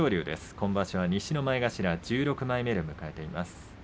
今場所は西の前頭１６枚目で迎えています。